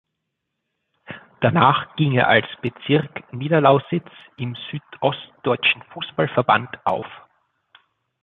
Danach ging er als Bezirk Niederlausitz im südostdeutschen Fußball-Verband auf.